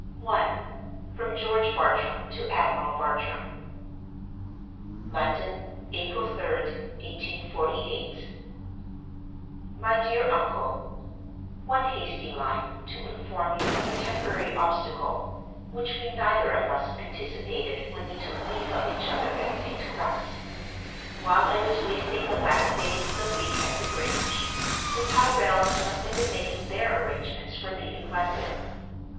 I. From George Bartram to Admiral Bartram. "London, April 3d, 1848. "My dear uncle, "One hasty line, to inform you of a temporary obstacle, which we neither of us anticipated when we took leave of each other at St. Crux. While I was wasting the last days of the week at the Grange, the Tyrrels must have been making their arrangements for leaving London.